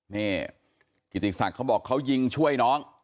นี่กิติศักดิ์เขาบอกเขายิงช่วยน้อง